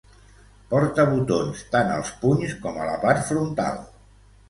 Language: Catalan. Porta botons tant als punys com a la part frontal.